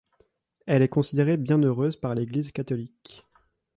Elle est considérée bienheureuse par l'Église catholique.